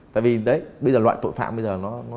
tại vì đấy bây giờ loại tội phạm bây giờ nó